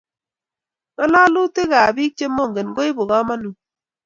Kalalutik kab bik chengomen koibu kamanut